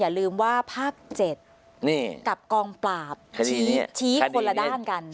อย่าลืมว่าภาค๗กับกองปราบชี้คนละด้านกัน